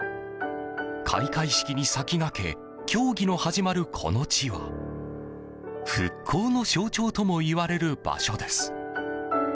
開会式に先駆け競技が始まるこの地は復興の象徴ともいわれる場所です。